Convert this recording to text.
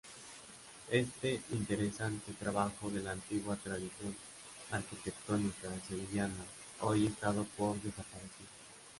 Este interesante trabajo de la antigua tradición arquitectónica sevillana hoy es dado por desaparecido.